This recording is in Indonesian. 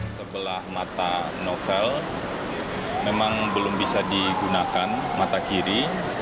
sebelah mata novel memang belum bisa digunakan mata kiri